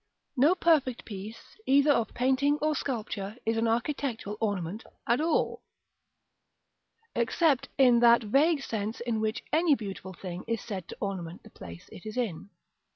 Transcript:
No perfect piece either of painting or sculpture is an architectural ornament at all, except in that vague sense in which any beautiful thing is said to ornament the place it is in.